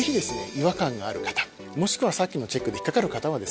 違和感がある方もしくはさっきのチェックで引っかかる方はですね